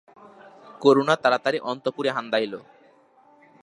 করুণা তাড়াতাড়ি অন্তঃপুরে প্রবেশ করিল।